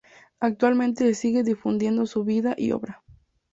Actualmente se sigue difundiendo su vida y obra.